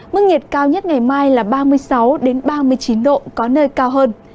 mức nhiệt cao nhất ngày mai là ba mươi sáu ba mươi chín độ có nơi cao hơn